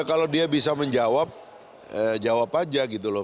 kalau dia bisa menjawab jawab aja gitu loh